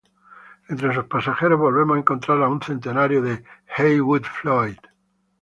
Entre sus pasajeros volvemos a encontrarnos con un centenario Heywood Floyd.